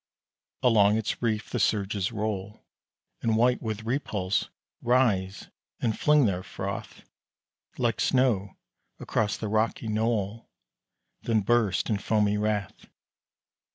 Along its reef the surges roll, And white with repulse rise and fling their froth Like snow across the rocky knoll, Then burst in foamy wrath.